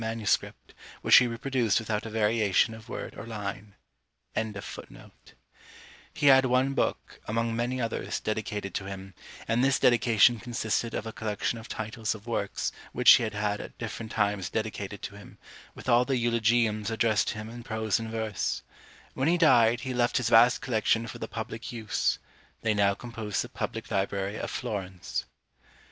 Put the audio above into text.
He had one book, among many others, dedicated to him, and this dedication consisted of a collection of titles of works which he had had at different times dedicated to him, with all the eulogiums addressed to him in prose and verse. When he died, he left his vast collection for the public use; they now compose the public library of Florence.